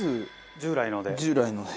従来の方で。